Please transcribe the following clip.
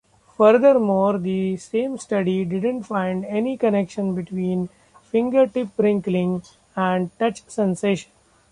Furthermore, the same study didn't find any connection between fingertip wrinkling and touch sensation.